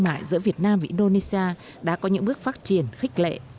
mại giữa việt nam và indonesia đã có những bước phát triển khích lệ